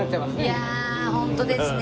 いやホントですね。